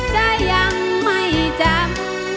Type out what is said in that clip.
จะยังไม่จำ